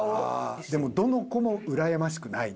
でもどの子もうらやましくないね。